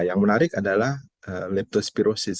yang menarik adalah leptospirosis